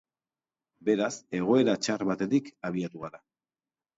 Beraz, egoera txar batetik abiatu gara.